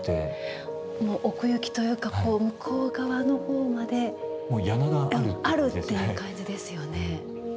奥行きというか向こう側の方まで簗があるという感じですよね。